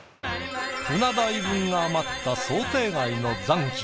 船代分が余った想定外の残金。